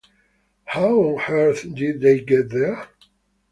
How on earth did they get there?